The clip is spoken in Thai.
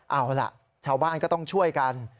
เอาล่ะชาวบ้านก็ต้องช่วยกัน